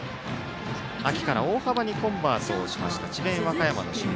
秋から大幅にコンバートしました智弁和歌山の守備。